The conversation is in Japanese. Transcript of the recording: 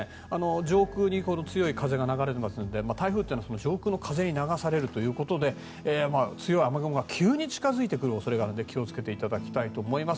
上空に強い風が流れていますので台風というのは上空の風に流されるということで強い雨雲が急に近づいてくる恐れがあるので気を付けていただきたいと思います。